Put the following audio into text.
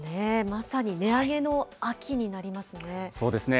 まさに値上げの秋になりますね。